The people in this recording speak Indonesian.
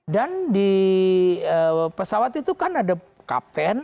dan di pesawat itu kan ada kapten